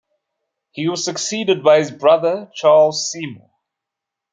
He was succeeded by his brother Charles Seymour.